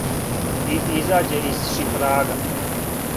И изађе из шипрага,